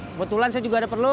kebetulan saya juga ada perlu